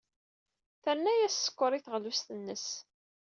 Terna-as sskeṛ i teɣlust-nnes.